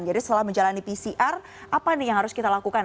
jadi setelah menjalani pcr apa yang harus kita lakukan